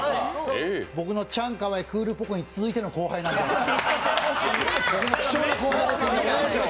僕のチャンカワイ、クールポコに続いての後輩ですので、僕の貴重な後輩です、よろしくお願いします。